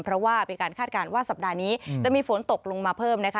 เพราะว่าเป็นการคาดการณ์ว่าสัปดาห์นี้จะมีฝนตกลงมาเพิ่มนะคะ